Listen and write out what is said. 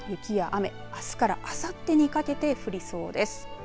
この雪ですが、雪や雨あすからあさってにかけて降りそうです。